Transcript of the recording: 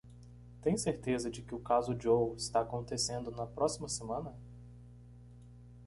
Tem certeza de que o caso Joe está acontecendo na próxima semana?